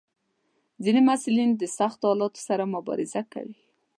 ځینې محصلین د سختو حالاتو سره مبارزه کوي.